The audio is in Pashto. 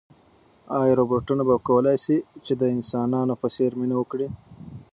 ایا روبوټونه به وکولای شي چې د انسانانو په څېر مینه وکړي؟